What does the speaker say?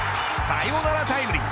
サヨナラタイムリー。